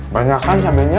banyak kan cabainnya